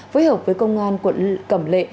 phối hợp với công an quận cầm lệ